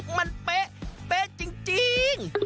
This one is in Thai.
มันเป๊ะเป๊ะจริง